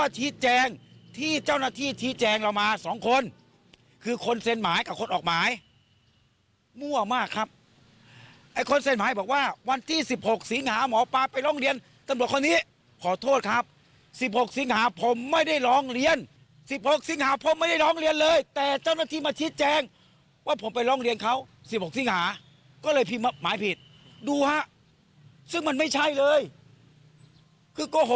ชี้แจงที่เจ้าหน้าที่ชี้แจงเรามา๒คนคือคนเซ็นหมายกับคนออกหมายมั่วมากครับไอ้คนเซ็นหมายบอกว่าวันที่๑๖สิงหาหมอปลาไปร้องเรียนตำรวจคนนี้ขอโทษครับ๑๖สิงหาผมไม่ได้ร้องเรียน๑๖สิงหาผมไม่ได้ร้องเรียนเลยแต่เจ้าหน้าที่มาชี้แจงว่าผมไปร้องเรียนเขา๑๖สิงหาก็เลยผิดหมายผิดดูฮะซึ่งมันไม่ใช่เลยคือโกห